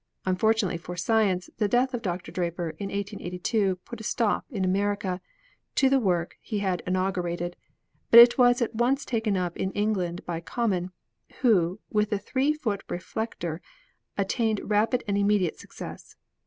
Unfortunately for science, the death of Dr. Draper, in 1882, put a stop in America to the work he had inaugurated, but it was at once taken up in England by Common, who, with a 3 foot reflector, attained rapid and immediate success.